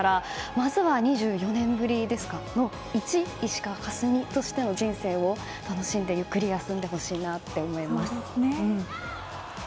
まずは、２４年ぶりのいち石川佳純としての人生を楽しんで、ゆっくりやってほしいなと思います。